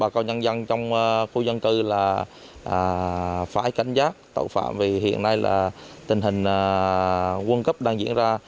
coi nhân dân trong khu dân cư là phải cảnh giác tội phạm vì hiện nay là tình hình quân cấp đang diễn ra